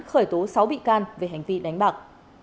khởi tố sáu bị can về hành vi đánh bạc